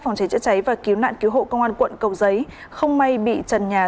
phòng cháy chữa cháy và cứu nạn cứu hộ công an quận cầu giấy không may bị trần nhà